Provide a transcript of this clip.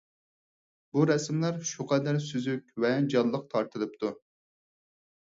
بۇ رەسىملەر شۇ قەدەر سۈزۈك ۋە جانلىق تارتىلىپتۇ.